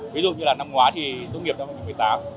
ví dụ như là năm ngoái thì tốt nghiệp năm hai nghìn một mươi tám